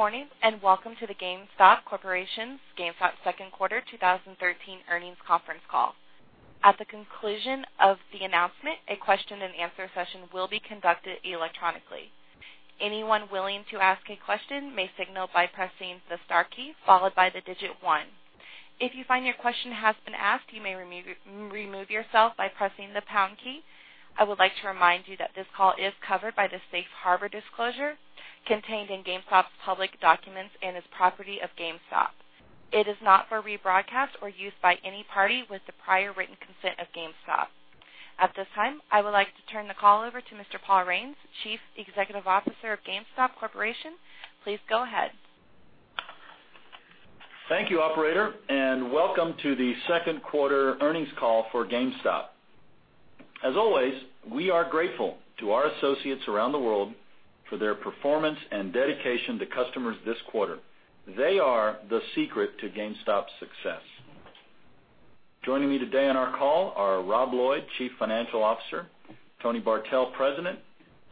Good morning, welcome to the GameStop Corporation's second quarter 2013 earnings conference call. At the conclusion of the announcement, a question and answer session will be conducted electronically. Anyone willing to ask a question may signal by pressing the star key followed by the digit 1. If you find your question has been asked, you may remove yourself by pressing the pound key. I would like to remind you that this call is covered by the safe harbor disclosure contained in GameStop's public documents and is property of GameStop. It is not for rebroadcast or use by any party with the prior written consent of GameStop. At this time, I would like to turn the call over to J. Paul Raines, Chief Executive Officer of GameStop Corporation. Please go ahead. Thank you, operator, welcome to the second quarter earnings call for GameStop. As always, we are grateful to our associates around the world for their performance and dedication to customers this quarter. They are the secret to GameStop's success. Joining me today on our call are Rob Lloyd, Chief Financial Officer, Tony Bartel, President,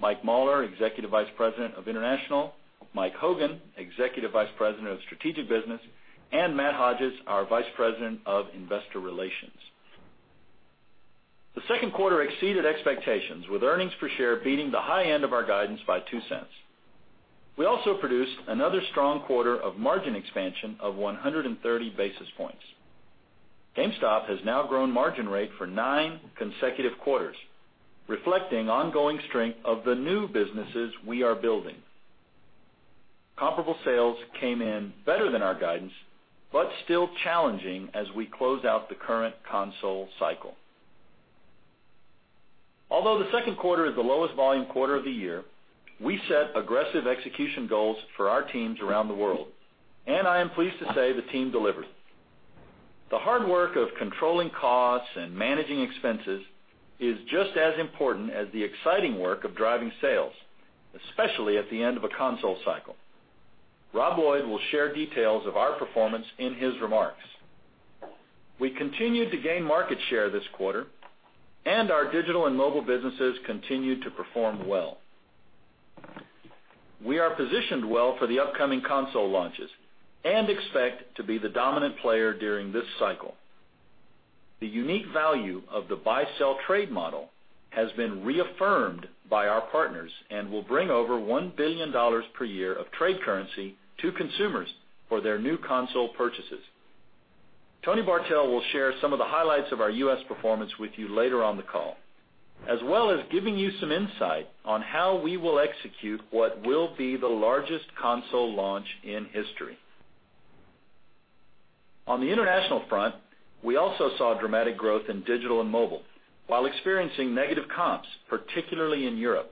Mike Mauler, Executive Vice President of International, Mike Hogan, Executive Vice President of Strategic Business, and Matt Hodges, our Vice President of Investor Relations. The second quarter exceeded expectations, with earnings per share beating the high end of our guidance by $0.02. We also produced another strong quarter of margin expansion of 130 basis points. GameStop has now grown margin rate for nine consecutive quarters, reflecting ongoing strength of the new businesses we are building. Comparable sales came in better than our guidance, still challenging as we close out the current console cycle. Although the second quarter is the lowest volume quarter of the year, we set aggressive execution goals for our teams around the world. I am pleased to say the team delivered. The hard work of controlling costs and managing expenses is just as important as the exciting work of driving sales, especially at the end of a console cycle. Rob Lloyd will share details of our performance in his remarks. We continued to gain market share this quarter, our digital and mobile businesses continued to perform well. We are positioned well for the upcoming console launches and expect to be the dominant player during this cycle. The unique value of the buy-sell trade model has been reaffirmed by our partners and will bring over $1 billion per year of trade currency to consumers for their new console purchases. Tony Bartel will share some of the highlights of our U.S. performance with you later on the call, as well as giving you some insight on how we will execute what will be the largest console launch in history. On the international front, we also saw dramatic growth in digital and mobile while experiencing negative comps, particularly in Europe.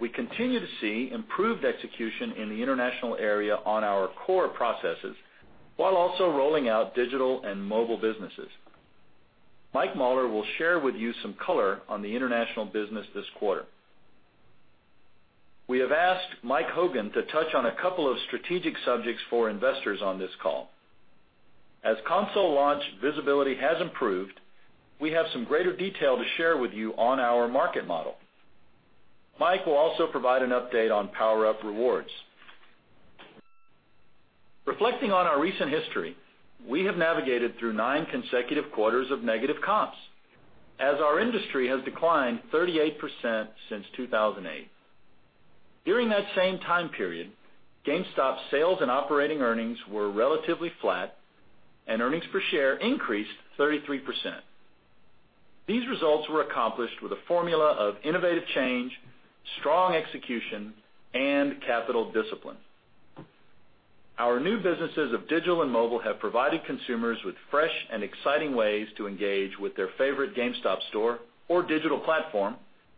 We continue to see improved execution in the international area on our core processes, while also rolling out digital and mobile businesses. Mike Mauler will share with you some color on the international business this quarter. We have asked Mike Hogan to touch on a couple of strategic subjects for investors on this call. As console launch visibility has improved, we have some greater detail to share with you on our market model. Mike will also provide an update on PowerUp Rewards. Reflecting on our recent history, we have navigated through nine consecutive quarters of negative comps as our industry has declined 38% since 2008. During that same time period, GameStop sales and operating earnings were relatively flat, and earnings per share increased 33%. These results were accomplished with a formula of innovative change, strong execution, and capital discipline. Our new businesses of digital and mobile have provided consumers with fresh and exciting ways to engage with their favorite GameStop store or digital platform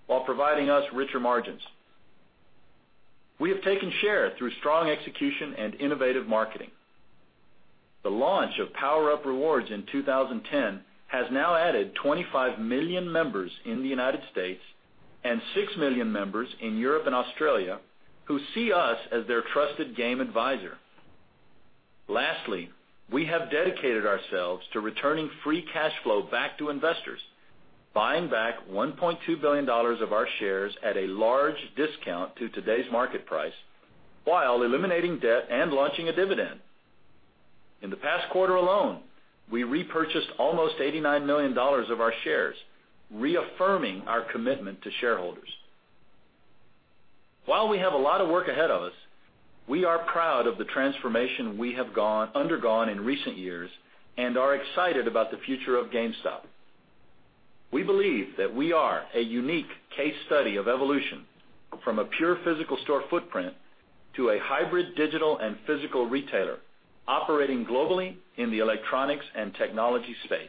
while providing us richer margins. We have taken share through strong execution and innovative marketing. The launch of PowerUp Rewards in 2010 has now added 25 million members in the U.S. and six million members in Europe and Australia who see us as their trusted game advisor. Lastly, we have dedicated ourselves to returning free cash flow back to investors, buying back $1.2 billion of our shares at a large discount to today's market price while eliminating debt and launching a dividend. In the past quarter alone, we repurchased almost $89 million of our shares, reaffirming our commitment to shareholders. While we have a lot of work ahead of us, we are proud of the transformation we have undergone in recent years and are excited about the future of GameStop. We believe that we are a unique case study of evolution from a pure physical store footprint to a hybrid digital and physical retailer operating globally in the electronics and technology space.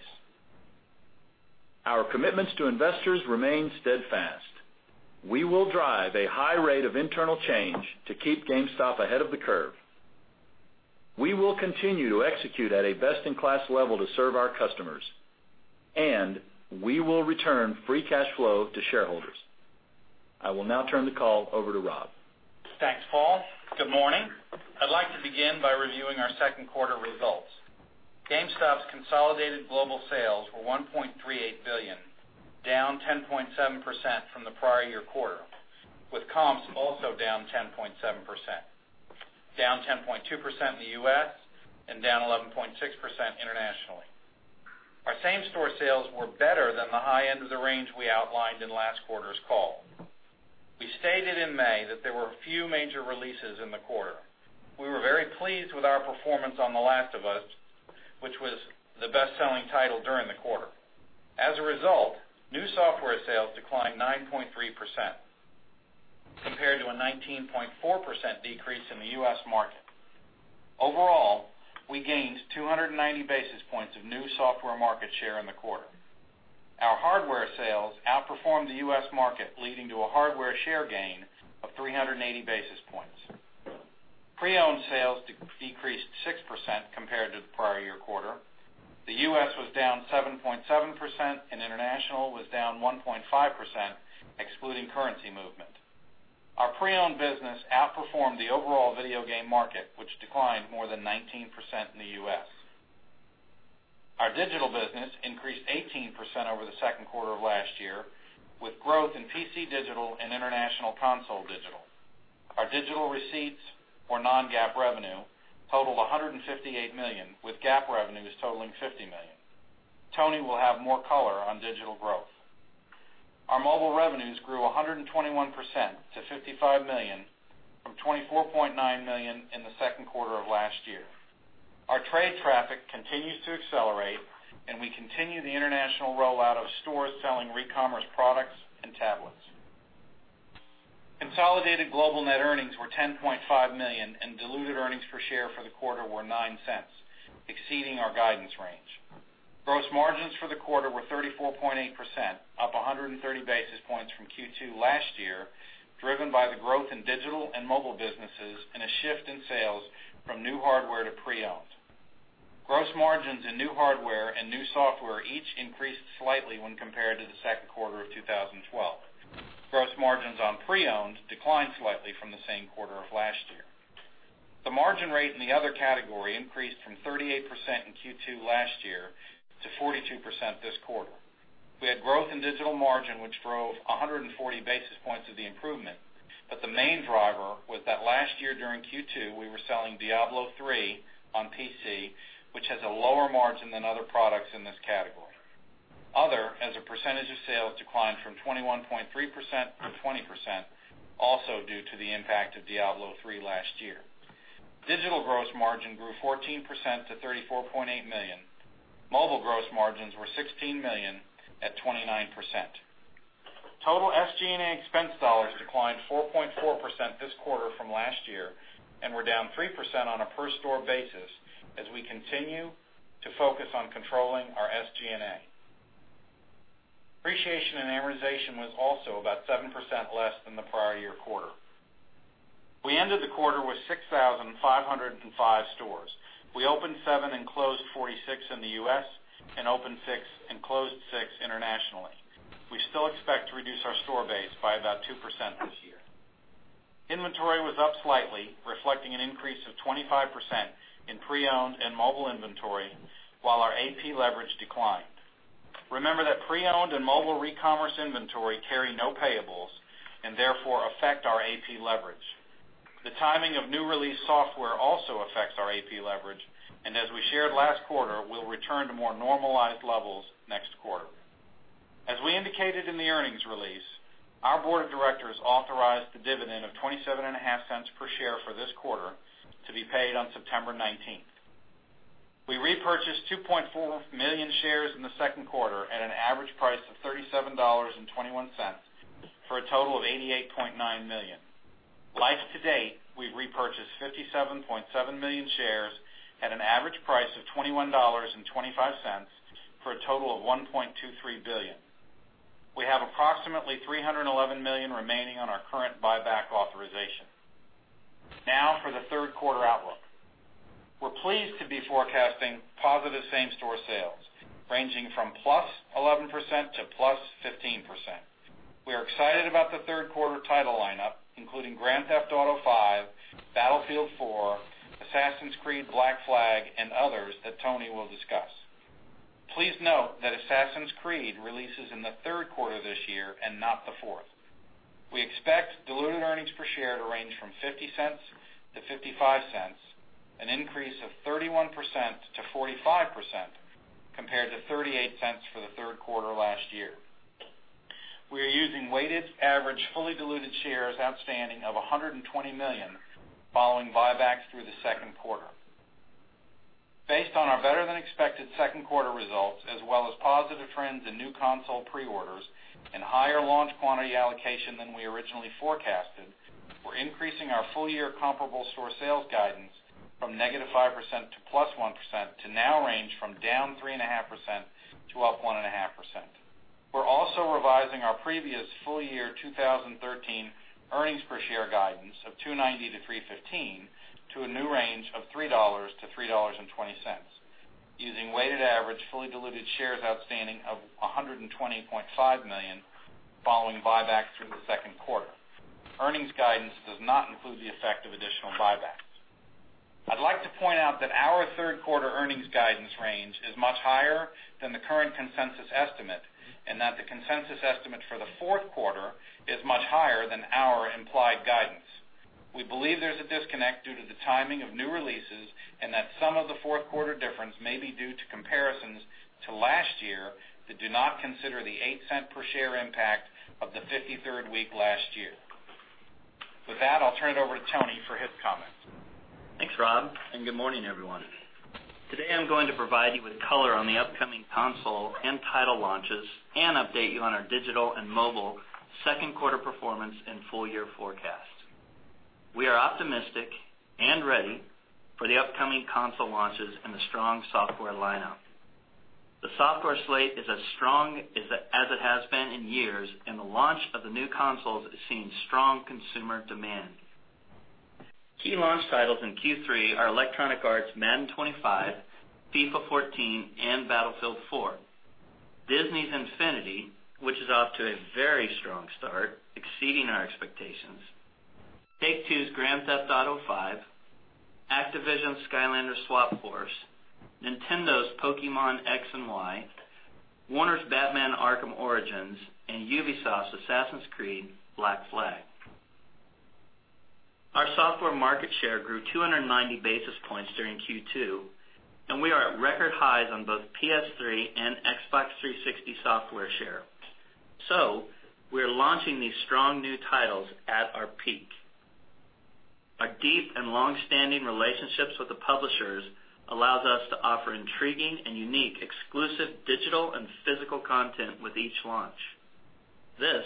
Our commitments to investors remain steadfast. We will drive a high rate of internal change to keep GameStop ahead of the curve. We will continue to execute at a best-in-class level to serve our customers, and we will return free cash flow to shareholders. I will now turn the call over to Rob. Thanks, Paul. Good morning. I would like to begin by reviewing our second quarter results. GameStop's consolidated global sales were $1.38 billion, down 10.7% from the prior year quarter, with comps also down 10.7%, down 10.2% in the U.S. and down 11.6% internationally. Our same-store sales were better than the high end of the range we outlined in last quarter's call. We stated in May that there were a few major releases in the quarter. We were very pleased with our performance on The Last of Us, which was the best-selling title during the quarter. As a result, new software sales declined 9.3%, compared to a 19.4% decrease in the U.S. market. Overall, we gained 290 basis points of new software market share in the quarter. Our hardware sales outperformed the U.S. market, leading to a hardware share gain of 380 basis points. Pre-owned sales decreased 6% compared to the prior year quarter. The U.S. was down 7.7% and international was down 1.5%, excluding currency movement. Our pre-owned business outperformed the overall video game market, which declined more than 19% in the U.S. Our digital business increased 18% over the second quarter of last year, with growth in PC digital and international Console Digital. Our digital receipts for non-GAAP revenue totaled $158 million, with GAAP revenues totaling $50 million. Tony will have more color on digital growth. Our mobile revenues grew 121% to $55 million from $24.9 million in the second quarter of last year. Our trade traffic continues to accelerate, and we continue the international rollout of stores selling recommerce products and tablets. Consolidated global net earnings were $10.5 million, and diluted earnings per share for the quarter were $0.09, exceeding our guidance range. Gross margins for the quarter were 34.8%, up 130 basis points from Q2 last year, driven by the growth in digital and mobile businesses and a shift in sales from new hardware to pre-owned. Gross margins in new hardware and new software each increased slightly when compared to the second quarter of 2012. Gross margins on pre-owned declined slightly from the same quarter of last year. The margin rate in the other category increased from 38% in Q2 last year to 42% this quarter. We had growth in digital margin, which drove 140 basis points of the improvement, but the main driver was that last year during Q2, we were selling "Diablo III" on PC, which has a lower margin than other products in this category. Other, as a percentage of sales, declined from 21.3% to 20%, also due to the impact of "Diablo III" last year. Digital gross margin grew 14% to $34.8 million. Mobile gross margins were $16 million at 29%. Total SG&A expense dollars declined 4.4% this quarter from last year and were down 3% on a per store basis as we continue to focus on controlling our SG&A. Depreciation and amortization was also about 7% less than the prior year quarter. We ended the quarter with 6,505 stores. We opened seven and closed 46 in the U.S. and opened six and closed six internationally. We still expect to reduce our store base by about 2% this year. Inventory was up slightly, reflecting an increase of 25% in pre-owned and mobile inventory, while our AP leverage declined. Remember that pre-owned and mobile recommerce inventory carry no payables and therefore affect our AP leverage. The timing of new release software also affects our AP leverage, as we shared last quarter, we will return to more normalized levels next quarter. As we indicated in the earnings release, our board of directors authorized a dividend of $0.275 per share for this quarter to be paid on September 19th. We repurchased 2.4 million shares in the second quarter at an average price of $37.21 for a total of $88.9 million. Life to date, we have repurchased 57.7 million shares at an average price of $21.25 for a total of $1.23 billion. We have approximately $311 million remaining on our current buyback authorization. Now for the third quarter outlook. We are pleased to be forecasting positive same-store sales ranging from +11% to +15%. We are excited about the third quarter title lineup, including "Grand Theft Auto V," "Battlefield 4," "Assassin's Creed: Black Flag," and others that Tony will discuss. Please note that "Assassin's Creed" releases in the third quarter this year and not the fourth. We expect diluted earnings per share to range from $0.50-$0.55, an increase of 31%-45% compared to $0.38 for the third quarter last year. We are using weighted average fully diluted shares outstanding of 120 million following buybacks through the second quarter. Based on our better-than-expected second quarter results, as well as positive trends in new console pre-orders and higher launch quantity allocation than we originally forecasted, we're increasing our full-year comparable store sales guidance from -5% to +1% to now range from -3.5% to +1.5%. We're also revising our previous full-year 2013 earnings per share guidance of $2.90-$3.15 to a new range of $3.00-$3.20, using weighted average fully diluted shares outstanding of 120.5 million following buybacks through the second quarter. Earnings guidance does not include the effect of additional buybacks. I'd like to point out that our third quarter earnings guidance range is much higher than the current consensus estimate, and that the consensus estimate for the fourth quarter is much higher than our implied guidance. We believe there's a disconnect due to the timing of new releases, and that some of the fourth quarter difference may be due to comparisons to last year that do not consider the $0.08 per share impact of the 53rd week last year. With that, I'll turn it over to Tony for his comments. Thanks, Rob, good morning, everyone. Today, I'm going to provide you with color on the upcoming console and title launches and update you on our digital and mobile second quarter performance and full year forecasts. We are optimistic and ready for the upcoming console launches and a strong software lineup. The software slate is as strong as it has been in years, and the launch of the new consoles is seeing strong consumer demand. Key launch titles in Q3 are Electronic Arts' "Madden 25," "FIFA 14," and "Battlefield 4," Disney Infinity, which is off to a very strong start, exceeding our expectations, Take-Two's "Grand Theft Auto V," Activision's "Skylanders: Swap Force," Nintendo's "Pokémon X" and "Y," Warner's "Batman: Arkham Origins," and Ubisoft's "Assassin's Creed: Black Flag." Our software market share grew 290 basis points during Q2, and we are at record highs on both PS3 and Xbox 360 software share. We are launching these strong new titles at our peak. Our deep and long-standing relationships with the publishers allows us to offer intriguing and unique exclusive digital and physical content with each launch. This,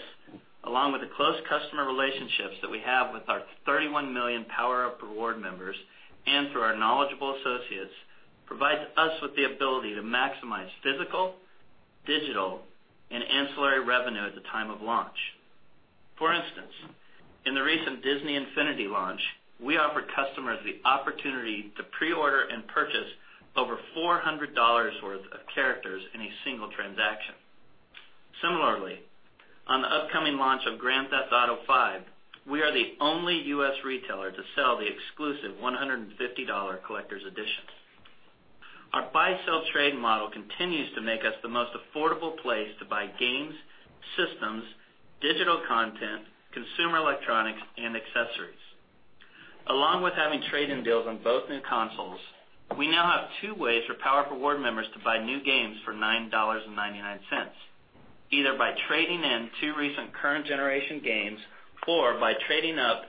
along with the close customer relationships that we have with our 31 million PowerUp Rewards members and through our knowledgeable associates, provides us with the ability to maximize physical, digital, and ancillary revenue at the time of launch. For instance, in the recent Disney Infinity launch, we offered customers the opportunity to pre-order and purchase over $400 worth of characters in a single transaction. Similarly, on the upcoming launch of Grand Theft Auto V, we are the only U.S. retailer to sell the exclusive $150 collector's edition. Our buy-sell-trade model continues to make us the most affordable place to buy games, systems, digital content, consumer electronics, and accessories. Along with having trade-in deals on both new consoles, we now have two ways for PowerUp Rewards members to buy new games for $9.99, either by trading in two recent current generation games or by trading up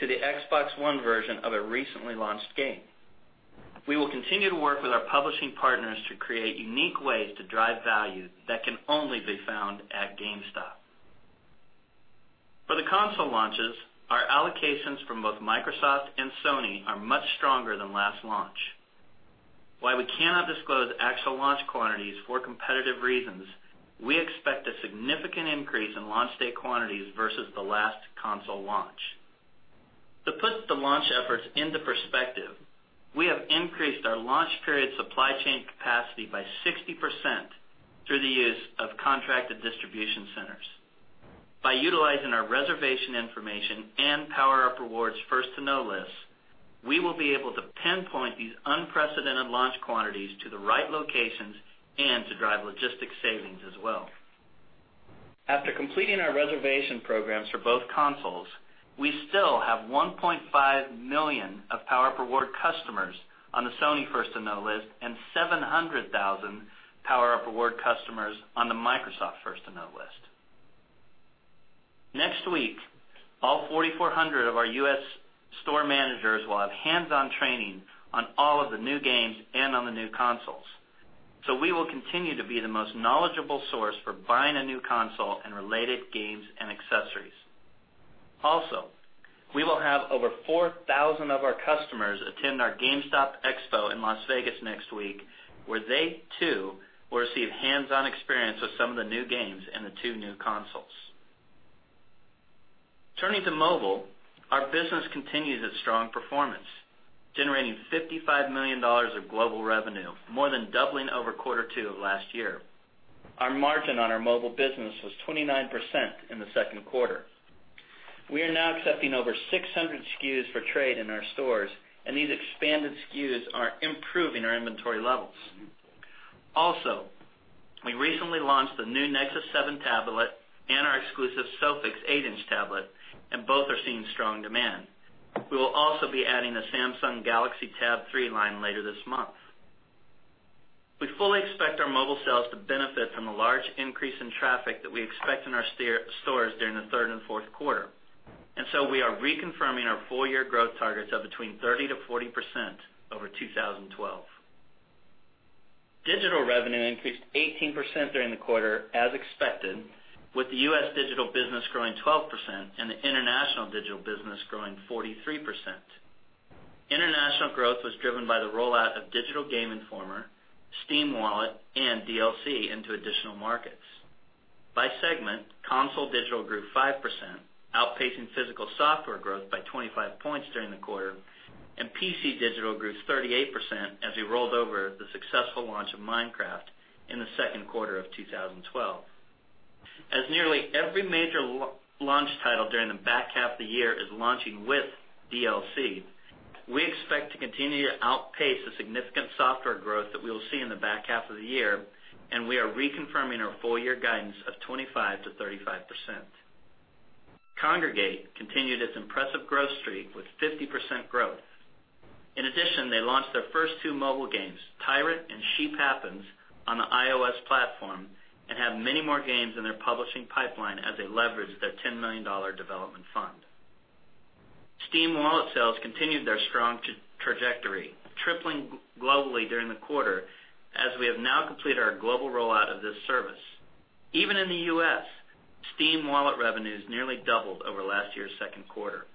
to the Xbox One version of a recently launched game. We will continue to work with our publishing partners to create unique ways to drive value that can only be found at GameStop. For the console launches, our allocations from both Microsoft and Sony are much stronger than last launch. While we cannot disclose actual launch quantities for competitive reasons, we expect a significant increase in launch day quantities versus the last console launch. To put the launch efforts into perspective, we have increased our launch period supply chain capacity by 60% through the use of contracted distribution centers. By utilizing our reservation information and PowerUp Rewards First-To-Know lists, we will be able to pinpoint these unprecedented launch quantities to the right locations and to drive logistic savings as well. After completing our reservation programs for both consoles, we still have 1.5 million of PowerUp Rewards customers on the Sony First-To-Know list and 700,000 PowerUp Rewards customers on the Microsoft First-To-Know list. Next week, all 4,400 of our U.S. store managers will have hands-on training on all of the new games and on the new consoles. We will continue to be the most knowledgeable source for buying a new console and related games and accessories. Also, we will have over 4,000 of our customers attend our GameStop Expo in Las Vegas next week, where they too will receive hands-on experience with some of the new games and the two new consoles. Turning to mobile, our business continues its strong performance, generating $55 million of global revenue, more than doubling over quarter 2 of last year. Our margin on our mobile business was 29% in the second quarter. We are now accepting over 600 SKUs for trade in our stores, and these expanded SKUs are improving our inventory levels. We recently launched the new Nexus 7 tablet and our exclusive SOPHIX 8-inch tablet, and both are seeing strong demand. We will also be adding a Samsung Galaxy Tab 3 line later this month. We fully expect our mobile sales to benefit from a large increase in traffic that we expect in our stores during the third and fourth quarter. We are reconfirming our full-year growth targets of between 30%-40% over 2012. Digital revenue increased 18% during the quarter as expected, with the U.S. digital business growing 12% and the international digital business growing 43%. International growth was driven by the rollout of Digital Game Informer, Steam Wallet, and DLC into additional markets. By segment, Console Digital grew 5%, outpacing physical software growth by 25 points during the quarter, and PC Digital grew 38% as we rolled over the successful launch of Minecraft. In the second quarter of 2012. Nearly every major launch title during the back half of the year is launching with DLC, we expect to continue to outpace the significant software growth that we will see in the back half of the year, we are reconfirming our full year guidance of 25%-35%. Kongregate continued its impressive growth streak with 50% growth. They launched their first two mobile games, "Tyrant" and "Sheep Happens," on the iOS platform and have many more games in their publishing pipeline as they leverage their $10 million development fund. Steam Wallet sales continued their strong trajectory, tripling globally during the quarter, as we have now completed our global rollout of this service. In the U.S., Steam Wallet revenues nearly doubled over last year's second quarter.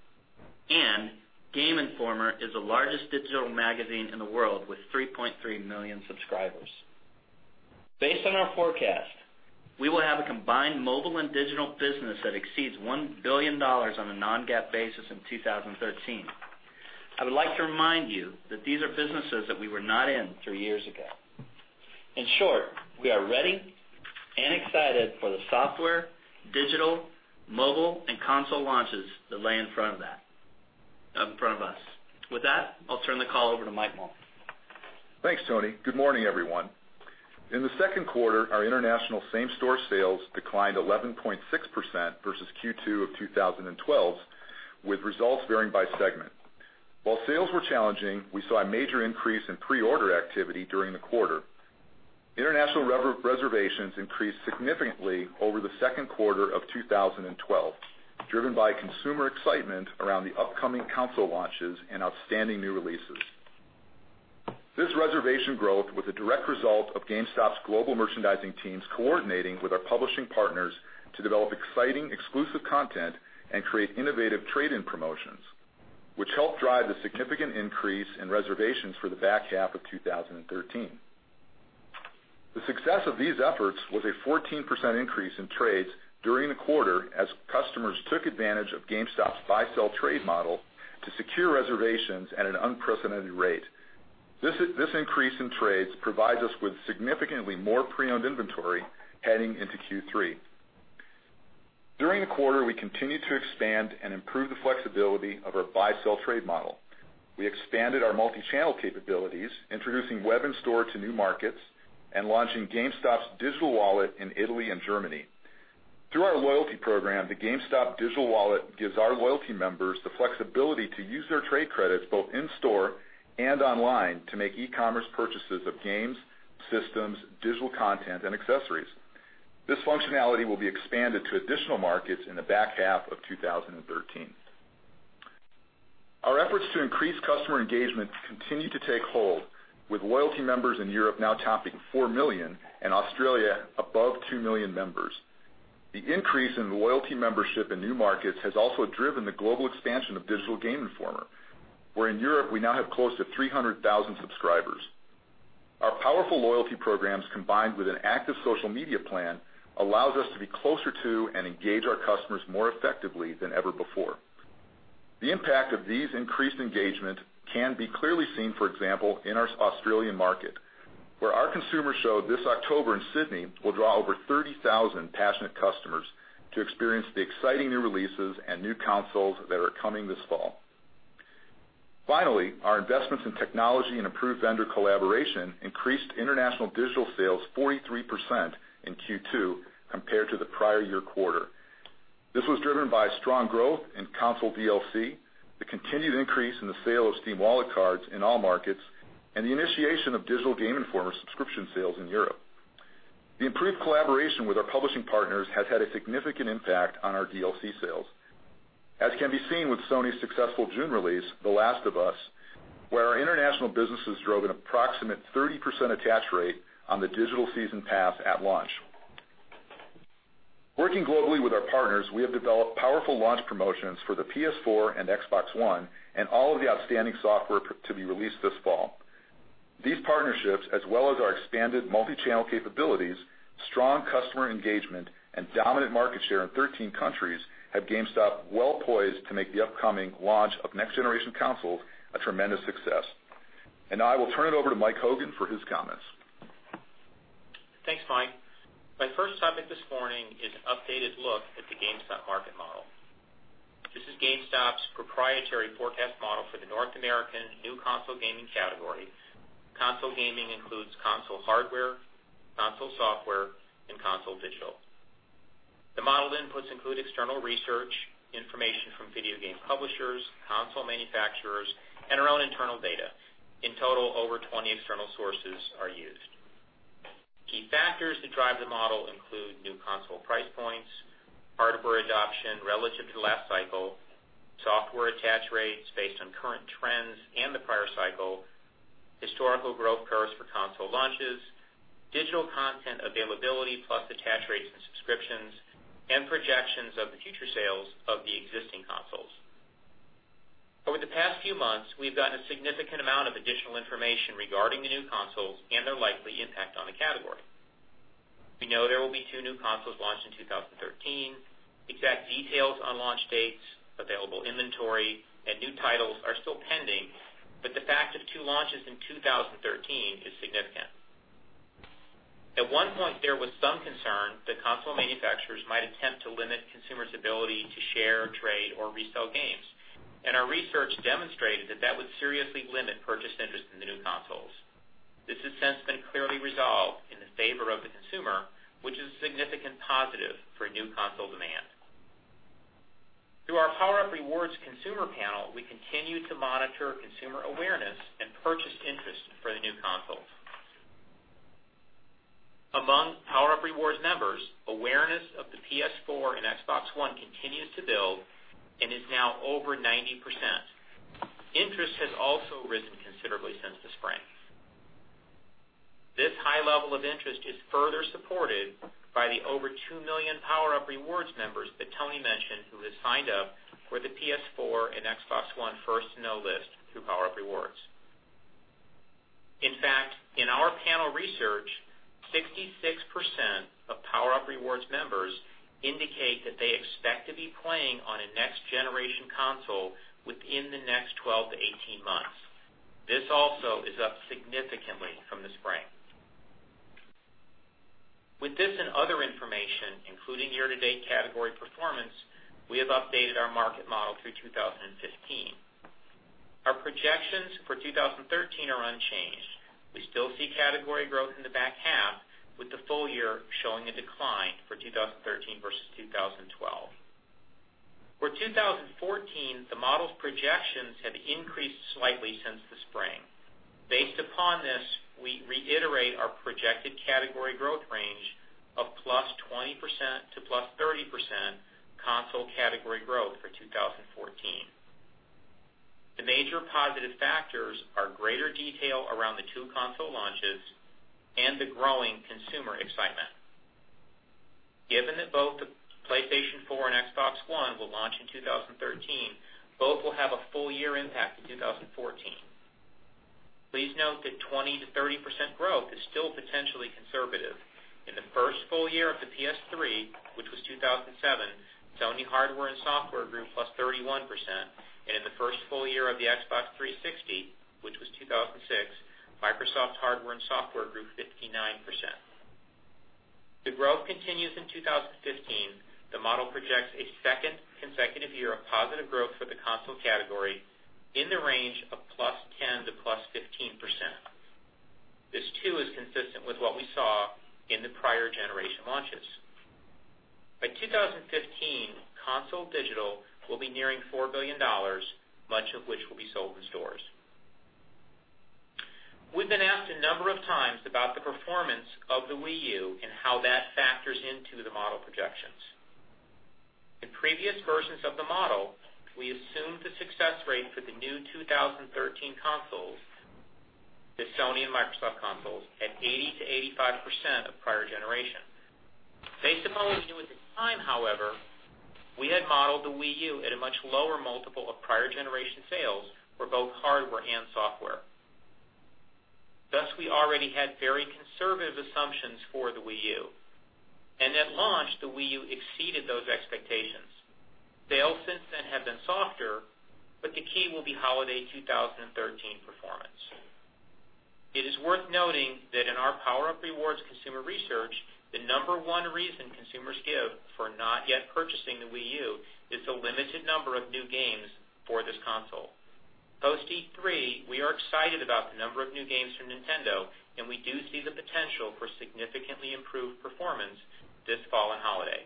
Game Informer is the largest digital magazine in the world with 3.3 million subscribers. Based on our forecast, we will have a combined mobile and digital business that exceeds $1 billion on a non-GAAP basis in 2013. I would like to remind you that these are businesses that we were not in three years ago. We are ready and excited for the software, digital, mobile, and console launches that lay in front of us. I'll turn the call over to Mike Mauler. Thanks, Tony. Good morning, everyone. In the second quarter, our international same-store sales declined 11.6% versus Q2 of 2012, with results varying by segment. Sales were challenging, we saw a major increase in pre-order activity during the quarter. International reservations increased significantly over the second quarter of 2012, driven by consumer excitement around the upcoming console launches and outstanding new releases. This reservation growth was a direct result of GameStop's global merchandising teams coordinating with our publishing partners to develop exciting exclusive content and create innovative trade-in promotions, which helped drive the significant increase in reservations for the back half of 2013. The success of these efforts was a 14% increase in trades during the quarter as customers took advantage of GameStop's buy-sell-trade model to secure reservations at an unprecedented rate. This increase in trades provides us with significantly more pre-owned inventory heading into Q3. During the quarter, we continued to expand and improve the flexibility of our buy-sell-trade model. We expanded our multi-channel capabilities, introducing web in store to new markets and launching GameStop Digital Wallet in Italy and Germany. Through our loyalty program, the GameStop Digital Wallet gives our loyalty members the flexibility to use their trade credits both in store and online to make e-commerce purchases of games, systems, digital content, and accessories. This functionality will be expanded to additional markets in the back half of 2013. Our efforts to increase customer engagement continue to take hold, with loyalty members in Europe now topping 4 million and Australia above 2 million members. The increase in loyalty membership in new markets has also driven the global expansion of digital Game Informer, where in Europe we now have close to 300,000 subscribers. Our powerful loyalty programs, combined with an active social media plan, allows us to be closer to and engage our customers more effectively than ever before. The impact of these increased engagement can be clearly seen, for example, in our Australian market, where our consumer show this October in Sydney will draw over 30,000 passionate customers to experience the exciting new releases and new consoles that are coming this fall. Finally, our investments in technology and improved vendor collaboration increased international digital sales 43% in Q2 compared to the prior year quarter. This was driven by strong growth in console DLC, the continued increase in the sale of Steam Wallet cards in all markets, and the initiation of digital Game Informer subscription sales in Europe. The improved collaboration with our publishing partners has had a significant impact on our DLC sales, as can be seen with Sony's successful June release, "The Last of Us," where our international businesses drove an approximate 30% attach rate on the digital season pass at launch. Working globally with our partners, we have developed powerful launch promotions for the PS4 and Xbox One and all of the outstanding software to be released this fall. These partnerships, as well as our expanded multi-channel capabilities, strong customer engagement, and dominant market share in 13 countries, have GameStop well-poised to make the upcoming launch of next-generation consoles a tremendous success. Now I will turn it over to Mike Hogan for his comments. Thanks, Mike. My first topic this morning is an updated look at the GameStop market model. This is GameStop's proprietary forecast model for the North American new console gaming category. Console gaming includes console hardware, console software, and Console Digital. The model inputs include external research, information from video game publishers, console manufacturers, and our own internal data. In total, over 20 external sources are used. Key factors to drive the model include new console price points, hardware adoption relative to the last cycle, software attach rates based on current trends and the prior cycle, historical growth curves for console launches, Digital Content availability plus attach rates and subscriptions, and projections of the future sales of the existing consoles. Over the past few months, we've gotten a significant amount of additional information regarding the new consoles and their likely impact on the category. We know there will be two new consoles launched in 2013. Exact details on launch dates, available inventory, and new titles are still pending, but the fact of two launches in 2013 is significant. At one point, there was some concern that console manufacturers might attempt to limit consumers' ability to share, trade, or resell games. Our research demonstrated that that would seriously limit purchase interest in the new consoles. This has since been clearly resolved in the favor of the consumer, which is a significant positive for new console demand. Through our PowerUp Rewards consumer panel, we continue to monitor consumer awareness and purchase interest for the new consoles. Among PowerUp Rewards members, awareness of the PS4 and Xbox One continues to build and is now over 90%. Interest has also risen considerably since the spring. This high level of interest is further supported by the 2 million PowerUp Rewards members that Tony mentioned who have signed up for the PS4 and Xbox One First-To-Know list through PowerUp Rewards. In fact, in our panel research, 66% of PowerUp Rewards members indicate that they expect to be playing on a next-generation console within the next 12 to 18 months. This also is up significantly from the spring. With this and other information, including year-to-date category performance, we have updated our market model through 2015. Our projections for 2013 are unchanged. We still see category growth in the back half, with the full year showing a decline for 2013 versus 2012. For 2014, the model's projections have increased slightly since the spring. Based upon this, we reiterate our projected category growth range of +20% to +30% console category growth for 2014. The major positive factors are greater detail around the two console launches and the growing consumer excitement. Given that both the PlayStation 4 and Xbox One will launch in 2013, both will have a full year impact in 2014. Please note that 20%-30% growth is still potentially conservative. In the first full year of the PS3, which was 2007, Sony hardware and software grew +31%, and in the first full year of the Xbox 360, which was 2006, Microsoft's hardware and software grew 59%. The growth continues in 2015. The model projects a second consecutive year of positive growth for the console category in the range of +10% to +15%. This, too, is consistent with what we saw in the prior generation launches. By 2015, Console Digital will be nearing $4 billion, much of which will be sold in stores. We've been asked a number of times about the performance of the Wii U and how that factors into the model projections. In previous versions of the model, we assumed the success rate for the new 2013 consoles, the Sony and Microsoft consoles, at 80%-85% of prior generations. Based upon what we knew at the time, however, we had modeled the Wii U at a much lower multiple of prior generation sales for both hardware and software. Thus, we already had very conservative assumptions for the Wii U. At launch, the Wii U exceeded those expectations. Sales since then have been softer, but the key will be holiday 2013 performance. It is worth noting that in our PowerUp Rewards consumer research, the number one reason consumers give for not yet purchasing the Wii U is the limited number of new games for this console. Post E3, we are excited about the number of new games from Nintendo, and we do see the potential for significantly improved performance this fall and holiday.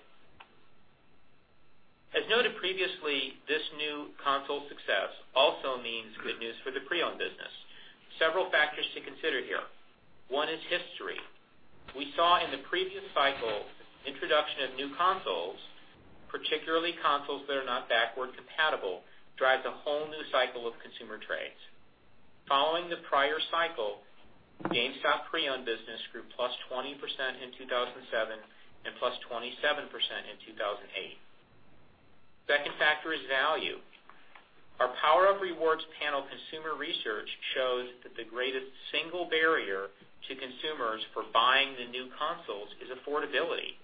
As noted previously, this new console success also means good news for the pre-owned business. Several factors to consider here. One is history. We saw in the previous cycle, introduction of new consoles, particularly consoles that are not backward compatible, drives a whole new cycle of consumer trades. Following the prior cycle, GameStop pre-owned business grew +20% in 2007 and +27% in 2008. Second factor is value. Our PowerUp Rewards panel consumer research shows that the greatest single barrier to consumers for buying the new consoles is affordability.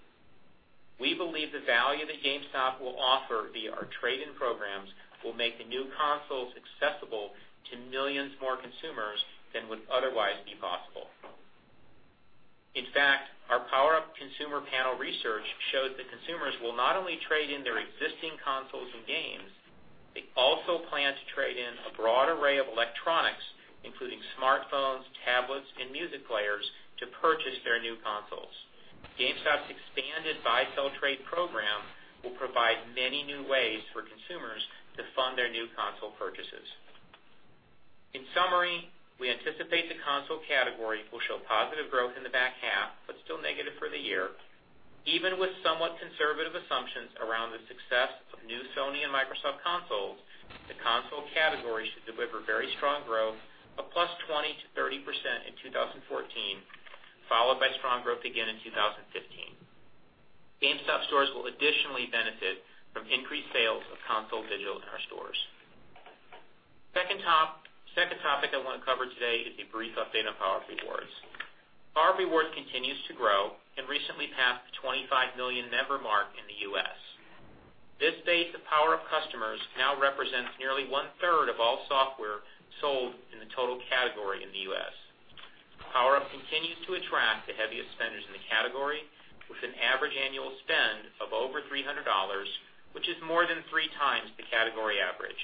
We believe the value that GameStop will offer via our trade-in programs will make the new consoles accessible to millions more consumers than would otherwise be possible. In fact, our PowerUp consumer panel research shows that consumers will not only trade in their existing consoles and games, they also plan to trade in a broad array of electronics, including smartphones, tablets, and music players to purchase their new consoles. GameStop's expanded buy/sell trade program will provide many new ways for consumers to fund their new console purchases. In summary, we anticipate the console category will show positive growth in the back half, but still negative for the year. Even with somewhat conservative assumptions around the success of new Sony and Microsoft consoles, the console category should deliver very strong growth of +20%-30% in 2014, followed by strong growth again in 2015. GameStop stores will additionally benefit from increased sales of Console Digital in our stores. Second topic I want to cover today is a brief update on PowerUp Rewards. PowerUp Rewards continues to grow and recently passed the 25 million member mark in the U.S. This base of PowerUp customers now represents nearly one-third of all software sold in the total category in the U.S. PowerUp continues to attract the heaviest spenders in the category, with an average annual spend of over $300, which is more than three times the category average.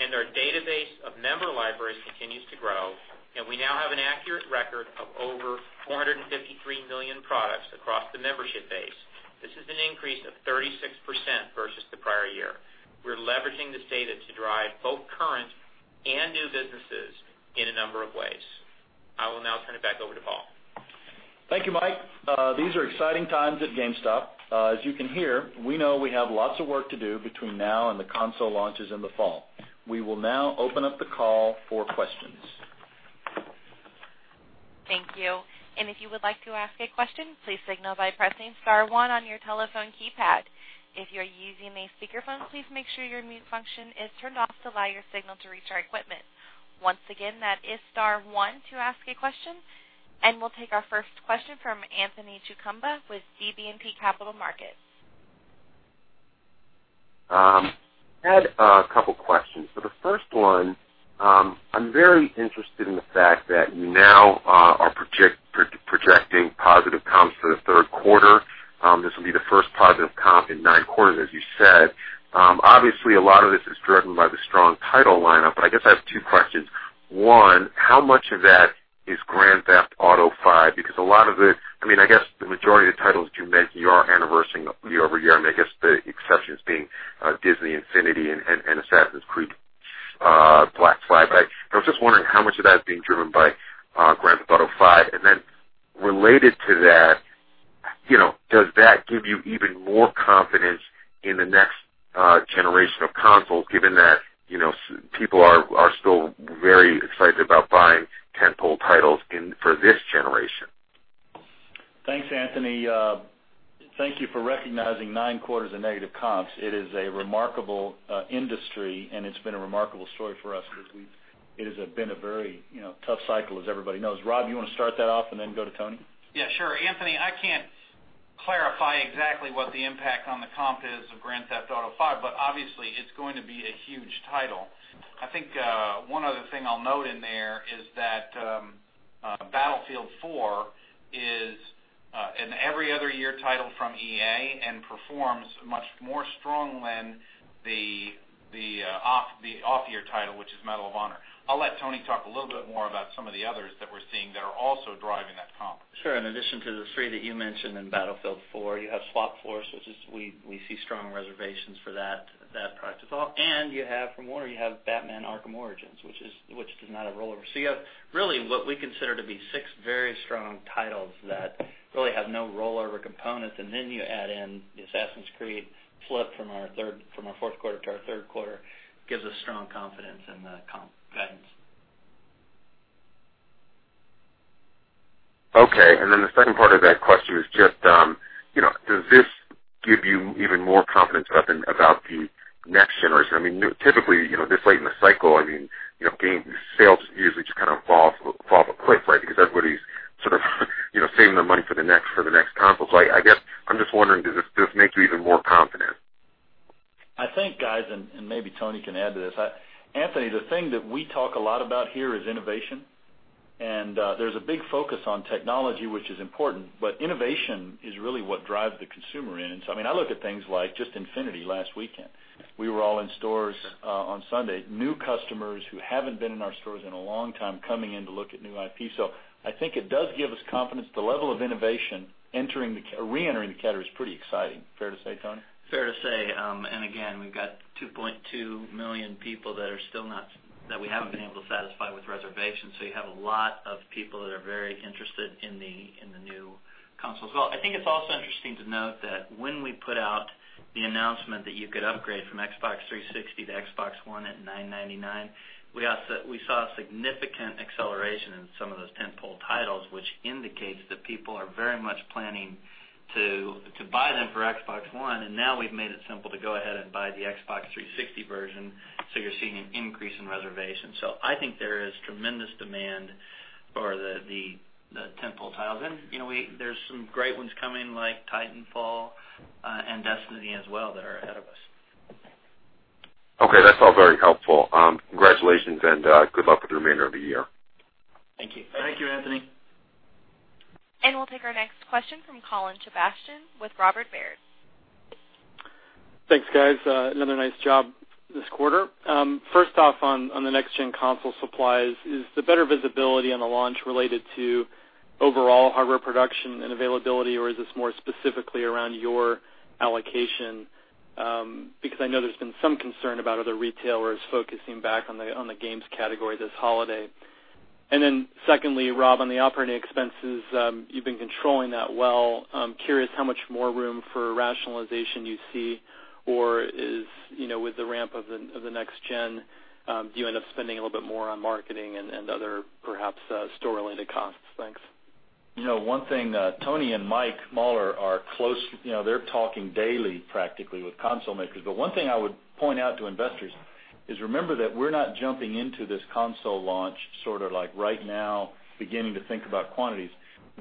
Our database of member libraries continues to grow, and we now have an accurate record of over 453 million products across the membership base. This is an increase of 36% versus the prior year. We're leveraging this data to drive both current and new businesses in a number of ways. I will now turn it back over to Paul. Thank you, Mike. These are exciting times at GameStop. As you can hear, we know we have lots of work to do between now and the console launches in the fall. We will now open up the call for questions. Thank you. If you would like to ask a question, please signal by pressing star one on your telephone keypad. If you're using a speakerphone, please make sure your mute function is turned off to allow your signal to reach our equipment. Once again, that is star one to ask a question, and we'll take our first question from Anthony Chukumba with BB&T Capital Markets. I had a couple questions. The first one, I'm very interested in the fact that you now are projecting positive comps for the third quarter. This will be the first positive comp in nine quarters, as you said. Obviously, a lot of this is driven by the strong title lineup, but I guess I have two questions. One, how much of that is "Grand Theft Auto V"? Because I guess the majority of the titles that you mentioned are anniversarying year-over-year, and I guess the exceptions being "Disney Infinity" and "Assassin's Creed: Black Flag." But I was just wondering how much of that is being driven by "Grand Theft Auto V." Related to that, does that give you even more confidence in the next generation of consoles, given that people are still very excited about buying tent-pole titles for this generation? Thanks, Anthony. Thank you for recognizing nine quarters of negative comps. It is a remarkable industry, and it's been a remarkable story for us because it has been a very tough cycle, as everybody knows. Rob, you want to start that off and then go to Tony? Yeah, sure. Anthony, I can't clarify exactly what the impact on the comp is of "Grand Theft Auto V," but obviously, it's going to be a huge title. I think one other thing I'll note in there is that "Battlefield 4" is an every-other-year title from EA and performs much more strongly than the off-year title, which is "Medal of Honor." I'll let Tony talk a little bit more about some of the others that we're seeing that are also driving that comp. Sure. In addition to the three that you mentioned and "Battlefield 4," you have "Swap Force," which we see strong reservations for that product as well. You have from Warner, you have "Batman: Arkham Origins," which does not have rollover. You have really what we consider to be six very strong titles that really have no rollover components, and then you add in the "Assassin's Creed" flip from our fourth quarter to our third quarter, gives us strong confidence in the comp guidance. Okay. The second part of that question is just, does this give you even more confidence about the next generation? Typically, this late in the cycle, game sales usually just kind of fall off a cliff because everybody's sort of saving their money for the next console. I guess I'm just wondering, does this make you even more confident? I think, guys. Maybe Tony can add to this. Anthony, the thing that we talk a lot about here is innovation. There's a big focus on technology, which is important, but innovation is really what drives the consumer in. I look at things like just Infinity last weekend. We were all in stores on Sunday. New customers who haven't been in our stores in a long time coming in to look at new IP. I think it does give us confidence. The level of innovation re-entering the category is pretty exciting. Fair to say, Tony? Fair to say. Again, we've got 2.2 million people that we haven't been able to satisfy with reservations. You have a lot of people that are very interested in the new consoles. I think it's also interesting to note that when we put out the announcement that you could upgrade from Xbox 360 to Xbox One at $999, we saw a significant acceleration in some of those tent-pole titles, which indicates that people are very much planning to buy them for Xbox One. Now we've made it simple to go ahead and buy the Xbox 360 version, you're seeing an increase in reservations. I think there is tremendous demand for the tent-pole titles. There's some great ones coming, like Titanfall and Destiny as well, that are ahead of us. Okay. That's all very helpful. Congratulations and good luck with the remainder of the year. Thank you. Thank you, Anthony. We'll take our next question from Colin Sebastian with Robert Baird. Thanks, guys. Another nice job this quarter. First off, on the next-gen console supplies, is the better visibility on the launch related to overall hardware production and availability, or is this more specifically around your allocation? I know there's been some concern about other retailers focusing back on the games category this holiday. Secondly, Rob, on the operating expenses, you've been controlling that well. I'm curious how much more room for rationalization you see, or with the ramp of the next gen, do you end up spending a little bit more on marketing and other perhaps store-related costs? Thanks. One thing, Tony Bartel and Mike Mauler are close. They're talking daily practically with console makers. One thing I would point out to investors is remember that we're not jumping into this console launch sort of right now, beginning to think about quantities.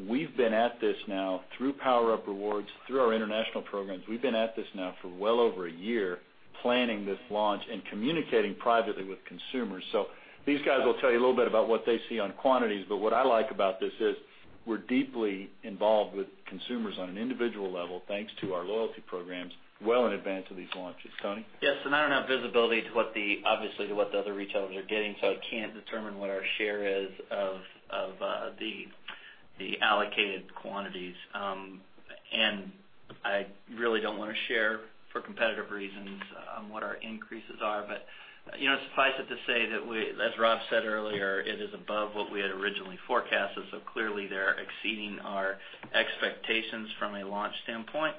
We've been at this now through PowerUp Rewards, through our international programs. We've been at this now for well over a year, planning this launch and communicating privately with consumers. These guys will tell you a little bit about what they see on quantities, but what I like about this is we're deeply involved with consumers on an individual level, thanks to our loyalty programs, well in advance of these launches. Tony? Yes, I don't have visibility, obviously, to what the other retailers are getting, so I can't determine what our share is of the allocated quantities. I really don't want to share for competitive reasons on what our increases are. Suffice it to say that, as Rob Lloyd said earlier, it is above what we had originally forecasted, so clearly, they're exceeding our expectations from a launch standpoint.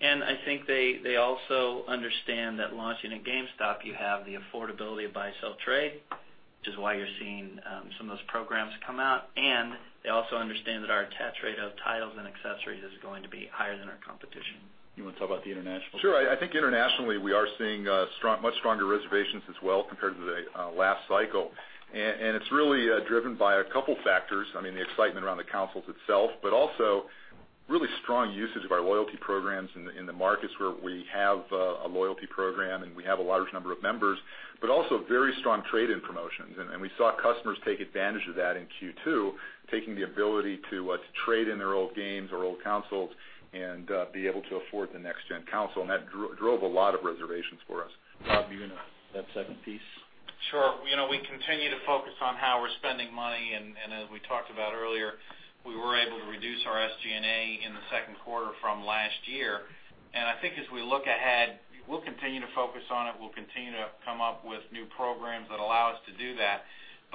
I think they also understand that launching at GameStop, you have the affordability of buy-sell trade, which is why you're seeing some of those programs come out. They also understand that our attach rate of titles and accessories is going to be higher than our competition. You want to talk about the international piece? Sure. I think internationally, we are seeing much stronger reservations as well compared to the last cycle. It's really driven by a couple factors. I mean, the excitement around the consoles itself, but also really strong usage of our loyalty programs in the markets where we have a loyalty program and we have a large number of members, but also very strong trade-in promotions. We saw customers take advantage of that in Q2, taking the ability to trade in their old games or old consoles and be able to afford the next-gen console, and that drove a lot of reservations for us. Rob, that second piece? Sure. We continue to focus on how we're spending money. As we talked about earlier, we were able to reduce our SG&A in the second quarter from last year. I think as we look ahead, we'll continue to focus on it. We'll continue to come up with new programs that allow us to do that.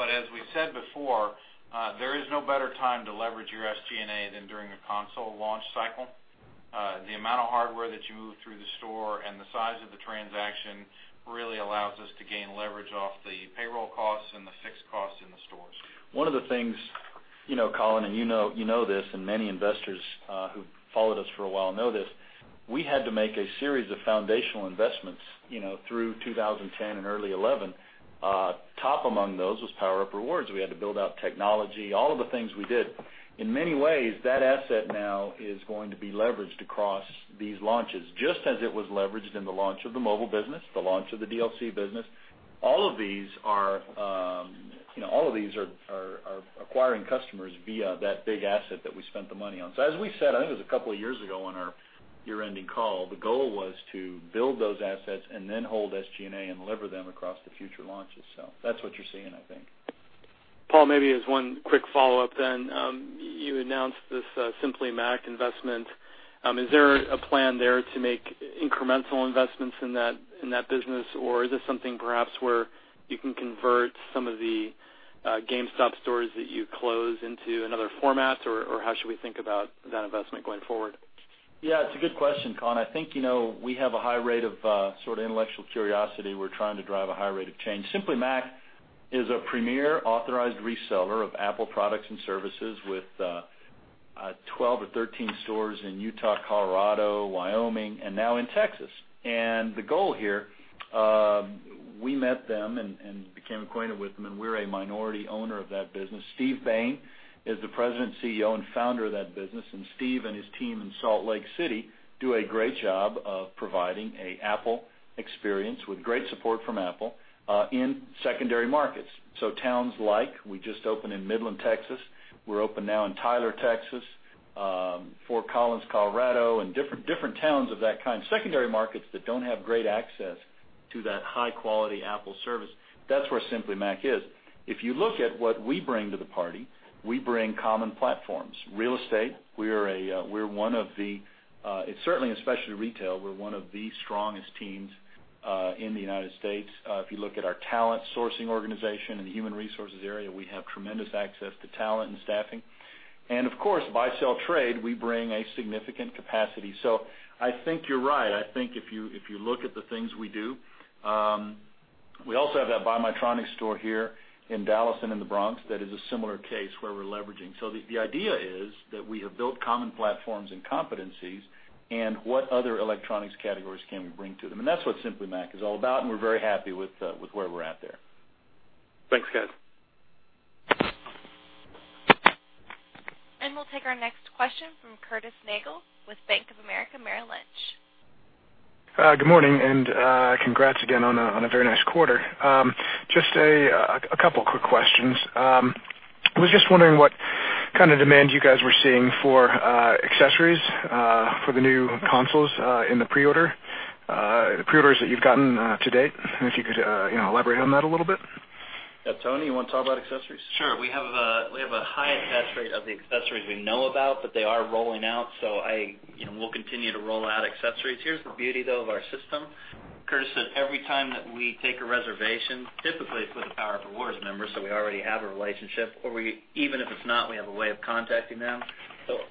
As we said before, there is no better time to leverage your SG&A than during a console launch cycle. The amount of hardware that you move through the store and the size of the transaction really allows us to gain leverage off the payroll costs and the fixed costs in the stores. One of the things, Colin, you know this and many investors who've followed us for a while know this, we had to make a series of foundational investments through 2010 and early 2011. Top among those was PowerUp Rewards. We had to build out technology, all of the things we did. In many ways, that asset now is going to be leveraged across these launches, just as it was leveraged in the launch of the mobile business, the launch of the DLC business. All of these are acquiring customers via that big asset that we spent the money on. As we said, I think it was a couple of years ago on our year-ending call, the goal was to build those assets and then hold SG&A and lever them across the future launches. That's what you're seeing, I think. Paul, maybe as one quick follow-up. You announced this Simply Mac investment. Is there a plan there to make incremental investments in that business, or is this something perhaps where you can convert some of the GameStop stores that you close into another format, or how should we think about that investment going forward? It's a good question, Colin. I think we have a high rate of intellectual curiosity. We're trying to drive a high rate of change. Simply Mac is a premier authorized reseller of Apple products and services with 12 or 13 stores in Utah, Colorado, Wyoming, and now in Texas. The goal here, we met them and became acquainted with them, and we're a minority owner of that business. Steve Bain is the president, CEO, and founder of that business, and Steve and his team in Salt Lake City do a great job of providing an Apple experience with great support from Apple in secondary markets. Towns like, we just opened in Midland, Texas. We're open now in Tyler, Texas, Fort Collins, Colorado, and different towns of that kind. Secondary markets that don't have great access to that high-quality Apple service. That's where Simply Mac is. If you look at what we bring to the party, we bring common platforms. Real estate, certainly and especially retail, we're one of the strongest teams in the United States. If you look at our talent sourcing organization and the human resources area, we have tremendous access to talent and staffing. Of course, buy-sell trade, we bring a significant capacity. I think you're right. I think if you look at the things we do, we also have that BuyMyTronics store here in Dallas and in the Bronx, that is a similar case where we're leveraging. The idea is that we have built common platforms and competencies and what other electronics categories can we bring to them. That's what Simply Mac is all about, and we're very happy with where we're at there. Thanks, guys. We'll take our next question from Curtis Nagle with Bank of America Merrill Lynch. Good morning, congrats again on a very nice quarter. Just a couple quick questions. I was just wondering what kind of demand you guys were seeing for accessories for the new consoles in the preorders that you've gotten to date, and if you could elaborate on that a little bit. Tony, you want to talk about accessories? Sure. We have a high attach rate of the accessories we know about, but they are rolling out, so we'll continue to roll out accessories. Here's the beauty, though, of our system Curtis said every time that we take a reservation, typically it's with a PowerUp Rewards member, we already have a relationship, or even if it's not, we have a way of contacting them.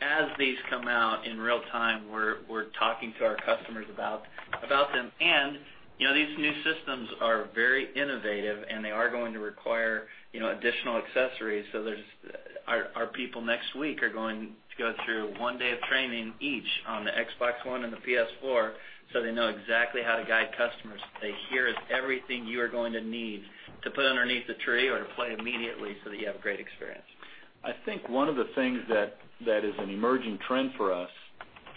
As these come out in real time, we're talking to our customers about them. These new systems are very innovative, and they are going to require additional accessories. Our people next week are going to go through one day of training each on the Xbox One and the PS4 so they know exactly how to guide customers. They hear it's everything you are going to need to put underneath the tree or to play immediately so that you have a great experience. I think one of the things that is an emerging trend for us,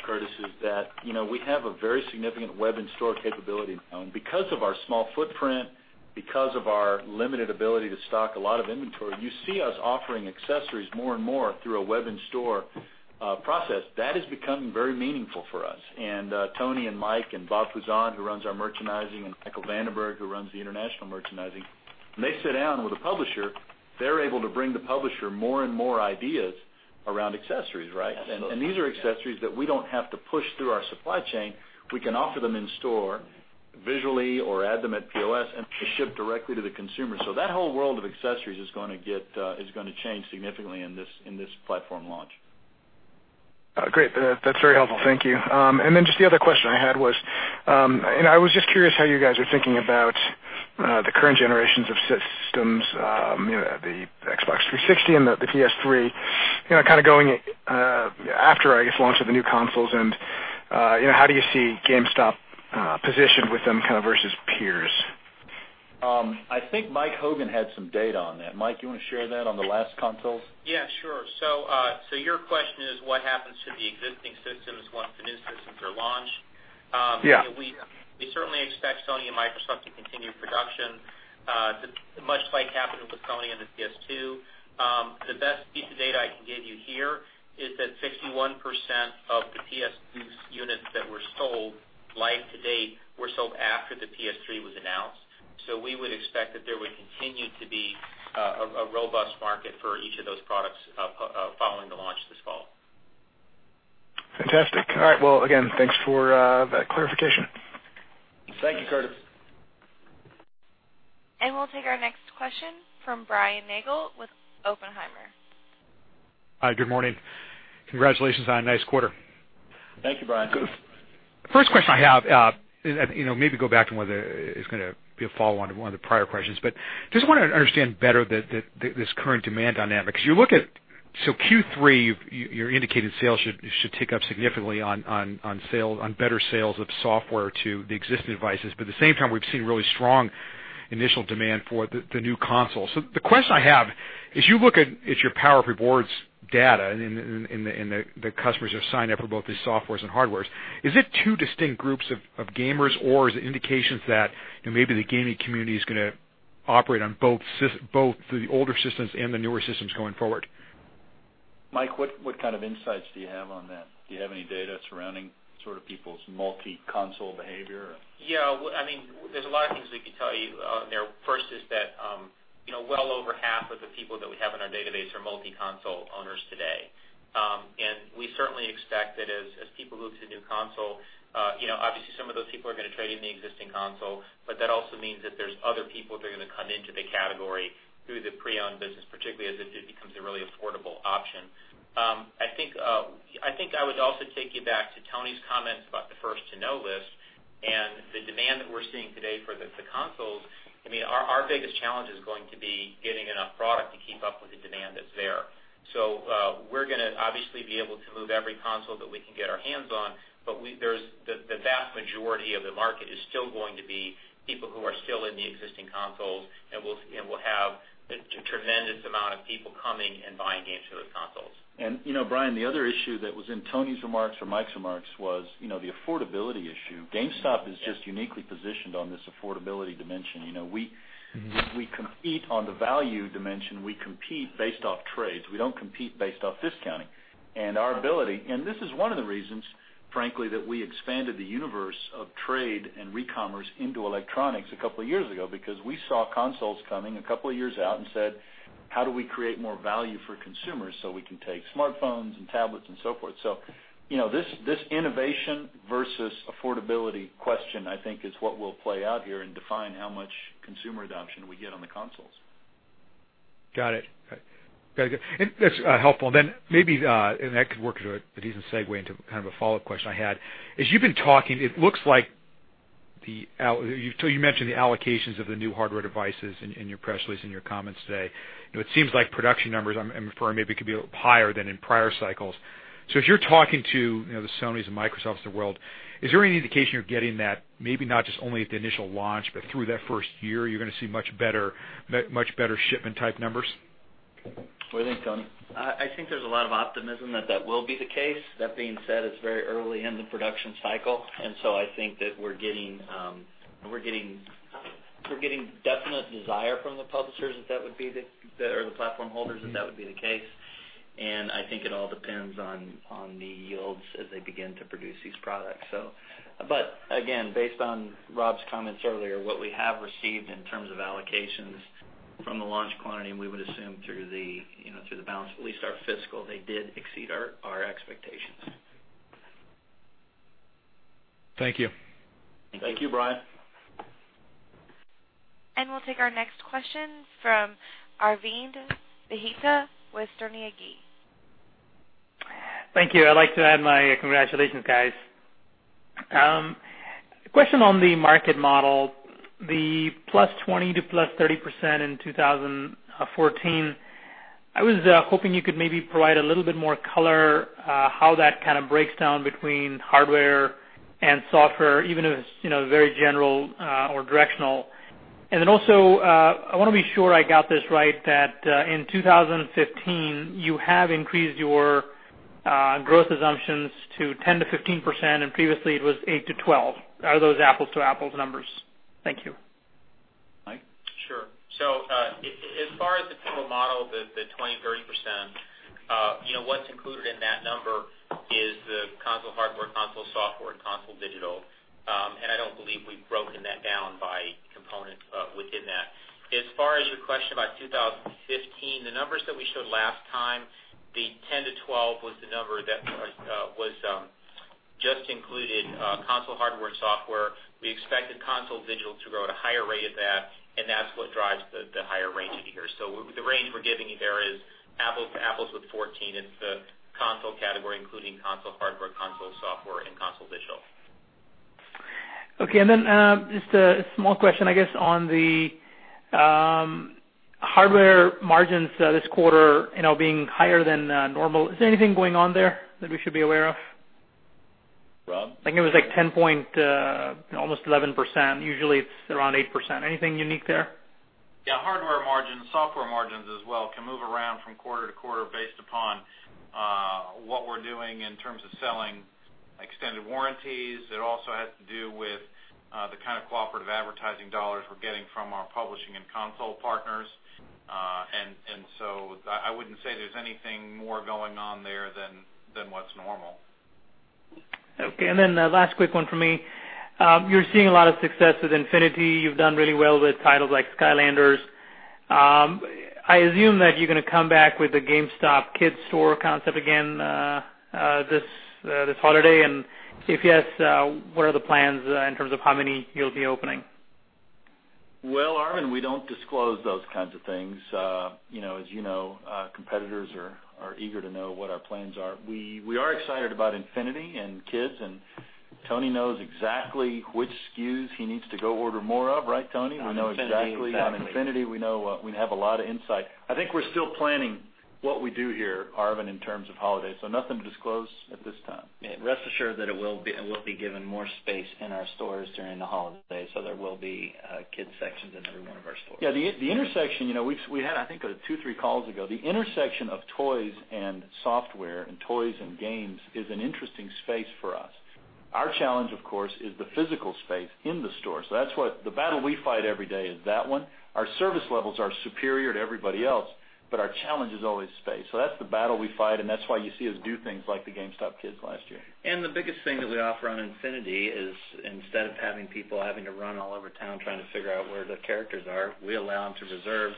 Curtis, is that we have a very significant web and store capability now because of our small footprint, because of our limited ability to stock a lot of inventory. You see us offering accessories more and more through a web and store process. That is becoming very meaningful for us. Tony and Mike and Bob Puzon, who runs our merchandising, and Michael van den Berg, who runs the international merchandising, when they sit down with a publisher, they're able to bring the publisher more and more ideas around accessories, right? Absolutely. These are accessories that we don't have to push through our supply chain. We can offer them in store visually or add them at POS and ship directly to the consumer. That whole world of accessories is going to change significantly in this platform launch. Great. That's very helpful. Thank you. Then just the other question I had was, I was just curious how you guys are thinking about the current generations of systems, the Xbox 360 and the PS3, kind of going after, I guess, launch of the new consoles and how do you see GameStop positioned with them kind of versus peers? I think Mike Hogan had some data on that. Mike, do you want to share that on the last consoles? Yeah, sure. Your question is what happens to the existing systems once the new systems are launched. Yeah. We certainly expect Sony and Microsoft to continue production, much like happened with Sony and the PS2. The best piece of data I can give you here is that 61% of the PS2 units that were sold live to date were sold after the PS3 was announced. We would expect that there would continue to be a robust market for each of those products following the launch this fall. Fantastic. All right. Well, again, thanks for that clarification. Thank you, Curtis. We'll take our next question from Brian Nagel with Oppenheimer. Hi, good morning. Congratulations on a nice quarter. Thank you, Brian. First question I have, maybe go back to one of the, it's going to be a follow-on to one of the prior questions, but just want to understand better this current demand dynamic. You look at Q3, you indicated sales should tick up significantly on better sales of software to the existing devices. At the same time, we've seen really strong initial demand for the new consoles. The question I have, as you look at your PowerUp Rewards data and the customers who have signed up for both the softwares and hardwares, is it two distinct groups of gamers, or is it indications that maybe the gaming community is going to operate on both the older systems and the newer systems going forward? Mike, what kind of insights do you have on that? Do you have any data surrounding sort of people's multi-console behavior? Yeah. There's a lot of things we could tell you there. First is that well over half of the people that we have in our database are multi-console owners today. We certainly expect that as people move to new console, obviously some of those people are going to trade in the existing console. That also means that there's other people that are going to come into the category through the pre-owned business, particularly as it becomes a really affordable option. I think I would also take you back to Tony's comments about the First-To-Know list and the demand that we're seeing today for the consoles. Our biggest challenge is going to be getting enough product to keep up with the demand that's there. We're going to obviously be able to move every console that we can get our hands on, the vast majority of the market is still going to be people who are still in the existing consoles, we'll have a tremendous amount of people coming and buying games for those consoles. Brian, the other issue that was in Tony's remarks or Mike's remarks was the affordability issue. GameStop is just uniquely positioned on this affordability dimension. We compete on the value dimension. We compete based off trades. We don't compete based off discounting. Our ability, this is one of the reasons, frankly, that we expanded the universe of trade and recommerce into electronics a couple of years ago because we saw consoles coming a couple of years out and said, "How do we create more value for consumers so we can take smartphones and tablets and so forth?" This innovation versus affordability question, I think, is what will play out here and define how much consumer adoption we get on the consoles. Got it. That's helpful. That could work as a decent segue into kind of a follow-up question I had. As you've been talking, it looks like you mentioned the allocations of the new hardware devices in your press release, in your comments today. It seems like production numbers, I'm referring maybe could be a little higher than in prior cycles. As you're talking to the Sonys and Microsofts of the world, is there any indication you're getting that maybe not just only at the initial launch, but through that first year, you're going to see much better shipment type numbers? What do you think, Tony? I think there's a lot of optimism that that will be the case. That being said, it's very early in the production cycle. I think that we're getting definite desire from the publishers or the platform holders that that would be the case. I think it all depends on the yields as they begin to produce these products. Again, based on Rob's comments earlier, what we have received in terms of allocations from the launch quantity, and we would assume through the balance, at least our fiscal, they did exceed our expectations. Thank you. Thank you, Brian. We'll take our next question from Arvind Bhatia with Sterne Agee. Thank you. I'd like to add my congratulations, guys. Question on the market model, the +20% to +30% in 2014. I was hoping you could maybe provide a little bit more color, how that kind of breaks down between hardware and software, even if it's very general or directional. Also, I want to be sure I got this right, that in 2015, you have increased your growth assumptions to 10%-15%, and previously it was 8%-12%. Are those apples-to-apples numbers? Thank you. Mike? Sure. As far as the total model, the 20%-30%, what's included in that number is the console hardware, console software, and Console Digital. I don't believe we've broken that down by component within that. As far as your question about 2015, the numbers that we showed last time, the 8%-12% was the number that just included console hardware and software. We expected Console Digital to grow at a higher rate of that, and that's what drives the higher range that you hear. The range we're giving you there is apples to apples with 2014 in the console category, including console hardware, console software, and Console Digital. Okay. Just a small question, I guess, on the hardware margins this quarter, being higher than normal. Is there anything going on there that we should be aware of? Rob? I think it was like 10., almost 11%. Usually it's around 8%. Anything unique there? Yeah, hardware margins, software margins as well, can move around from quarter to quarter based upon what we're doing in terms of selling extended warranties. It also has to do with the kind of cooperative advertising dollars we're getting from our publishing and console partners. I wouldn't say there's anything more going on there than what's normal. Okay. Last quick one for me. You're seeing a lot of success with Infinity. You've done really well with titles like Skylanders. I assume that you're going to come back with the GameStop Kids store concept again this holiday. If yes, what are the plans in terms of how many you'll be opening? Well, Arvind, we don't disclose those kinds of things. As you know, competitors are eager to know what our plans are. We are excited about Infinity and Kids, and Tony knows exactly which SKUs he needs to go order more of, right, Tony? On Infinity, exactly. On Infinity, we have a lot of insight. I think we're still planning what we do here, Arvind, in terms of holidays. Nothing to disclose at this time. Rest assured that it will be given more space in our stores during the holidays. There will be kids sections in every one of our stores. The intersection, we had, I think, two, three calls ago, the intersection of toys and software and toys and games is an interesting space for us. Our challenge, of course, is the physical space in the store. The battle we fight every day is that one. Our service levels are superior to everybody else, but our challenge is always space. That's the battle we fight, and that's why you see us do things like the GameStop Kids last year. The biggest thing that we offer on Infinity is instead of having people having to run all over town trying to figure out where the characters are, we allow them to reserve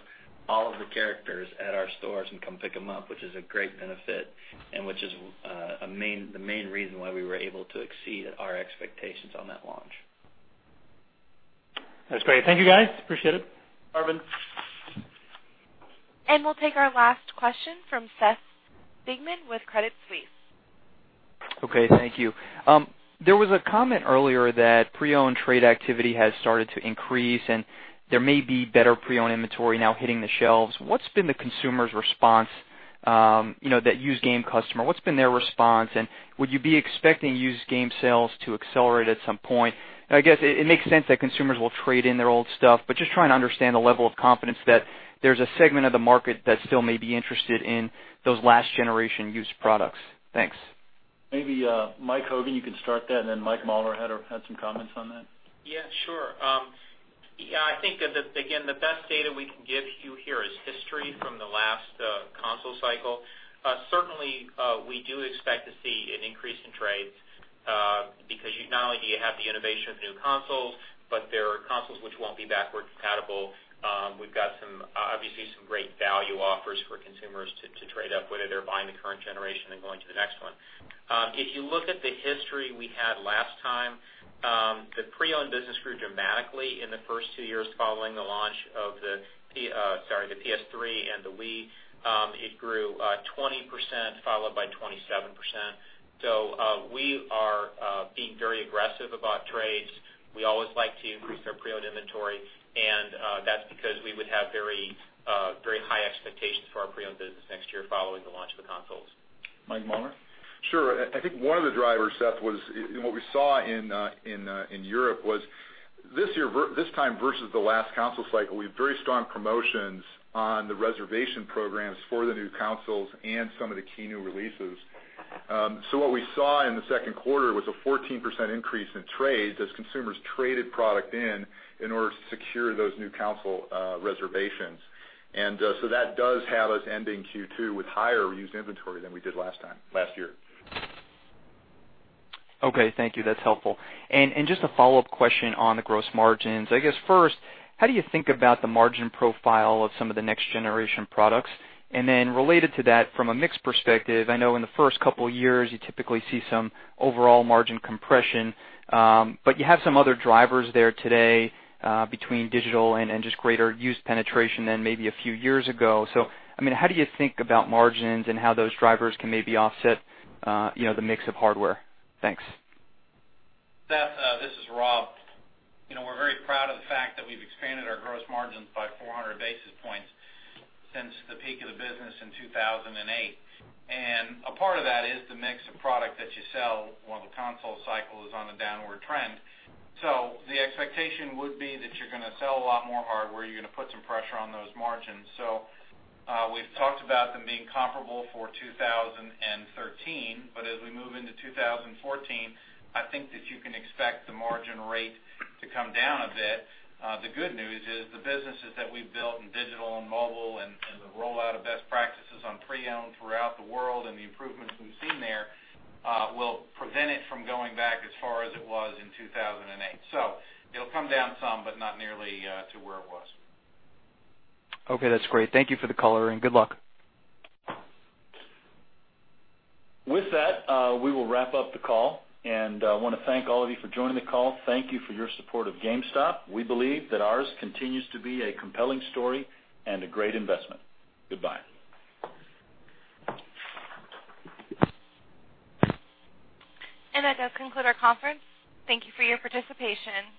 all of the characters at our stores and come pick them up, which is a great benefit, and which is the main reason why we were able to exceed our expectations on that launch. That's great. Thank you, guys. Appreciate it. Arvind. We'll take our last question from Seth Sigman with Credit Suisse. Okay, thank you. There was a comment earlier that pre-owned trade activity has started to increase, and there may be better pre-owned inventory now hitting the shelves. What's been the consumer's response, that used game customer, what's been their response? Would you be expecting used game sales to accelerate at some point? I guess it makes sense that consumers will trade in their old stuff, but just trying to understand the level of confidence that there's a segment of the market that still may be interested in those last-generation used products. Thanks. Maybe, Mike Hogan, you can start that, and then Mike Mauler had some comments on that. Yeah, sure. I think that, again, the best data we can give you here is history from the last console cycle. Certainly, we do expect to see an increase in trades because not only do you have the innovation of new consoles, but there are consoles which won't be backward compatible. We've got, obviously, some great value offers for consumers to trade up, whether they're buying the current generation and going to the next one. If you look at the history we had last time, the pre-owned business grew dramatically in the first two years following the launch of the PlayStation 3 and the Wii. It grew 20%, followed by 27%. We are being very aggressive about trades. We always like to increase our pre-owned inventory, and that's because we would have very high expectations for our pre-owned business next year following the launch of the consoles. Mike Mauler. Sure. I think one of the drivers, Seth, was what we saw in Europe was this time versus the last console cycle, we had very strong promotions on the reservation programs for the new consoles and some of the key new releases. What we saw in the second quarter was a 14% increase in trades as consumers traded product in order to secure those new console reservations. That does have us ending Q2 with higher used inventory than we did last year. Okay, thank you. That's helpful. Just a follow-up question on the gross margins. I guess first, how do you think about the margin profile of some of the next-generation products? Then related to that, from a mix perspective, I know in the first couple of years, you typically see some overall margin compression. You have some other drivers there today, between digital and just greater use penetration than maybe a few years ago. How do you think about margins and how those drivers can maybe offset the mix of hardware? Thanks. Seth, this is Rob. We're very proud of the fact that we've expanded our gross margins by 400 basis points since the peak of the business in 2008. A part of that is the mix of product that you sell while the console cycle is on a downward trend. The expectation would be that you're going to sell a lot more hardware, you're going to put some pressure on those margins. We've talked about them being comparable for 2013, but as we move into 2014, I think that you can expect the margin rate to come down a bit. The good news is the businesses that we've built in digital and mobile and the rollout of best practices on pre-owned throughout the world and the improvements we've seen there will prevent it from going back as far as it was in 2008. It'll come down some, but not nearly to where it was. Okay, that's great. Thank you for the color, and good luck. With that, we will wrap up the call, and I want to thank all of you for joining the call. Thank you for your support of GameStop. We believe that ours continues to be a compelling story and a great investment. Goodbye. That does conclude our conference. Thank you for your participation.